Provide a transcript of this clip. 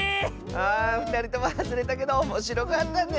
あふたりともはずれたけどおもしろかったね！